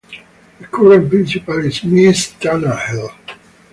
The current principal is Miss Tannahill.